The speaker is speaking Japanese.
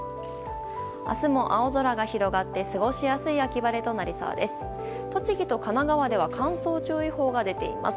明日も青空が広がって過ごしやすい秋晴れとなりそうです。